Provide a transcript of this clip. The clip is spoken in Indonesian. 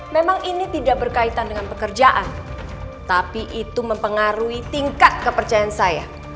memang ini tidak berkaitan dengan pekerjaan tapi itu mempengaruhi tingkat kepercayaan saya